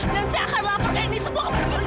dan saya akan laporkan ini semua kepada polisi